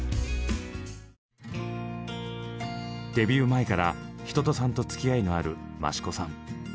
デビュー前から一青さんとつきあいのあるマシコさん。